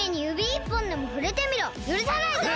ゆるさないぞ！